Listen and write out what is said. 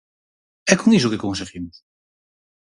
¿E con iso que conseguimos?